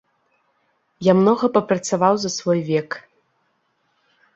Я многа папрацаваў за свой век.